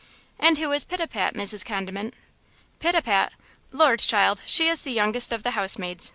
"And who is Pitapat, Mrs. Condiment?" "Pitapat? Lord, child, she is the youngest of the house maids.